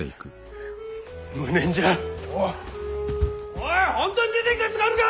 おい本当に出ていくやつがあるか！